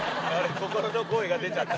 心の声が出ちゃった。